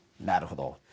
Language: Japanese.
なるほど。